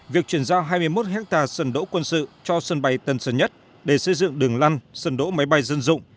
việc truyền giao hai mươi một ha sân đỗ quân sự cho sân bay tân sơn nhất để xây dựng đường lan sân đỗ máy bay dân dụng